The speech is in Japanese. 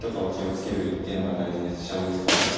あとは飛車を打つ場合は。